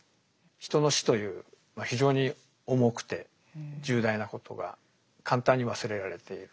人の死という非常に重くて重大なことが簡単に忘れられている。